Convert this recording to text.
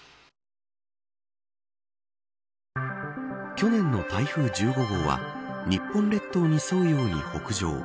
去年の台風１５号は日本列島に沿うように北上。